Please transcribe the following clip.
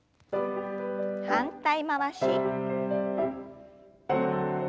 反対回し。